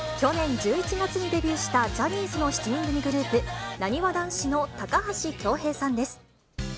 去年１１月にデビューしたジャニーズの７人組グループ、なにわ男子の高橋恭平さんです。